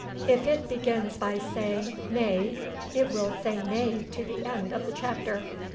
If it begins by saying "nay" it will say "nay" to the end of the chapter.